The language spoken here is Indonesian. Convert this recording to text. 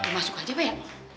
masuk aja pak ya